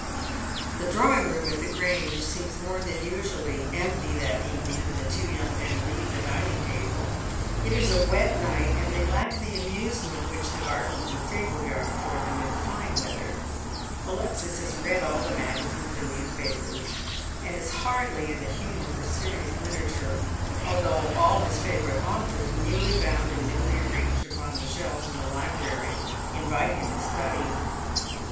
The drawing room at the Grange seems more than usually empty that evening when the two young men leave the dining table. It is a wet night, and they lack the amusement which the gardens and stable yard afford them in the fine weather. Alexia has read all the magazines and newspapers, and is hardly in the humour for serious literature, although all his favourite authors, newly bound and newly arranged upon the shelves in the 'nbrary, invite him to study.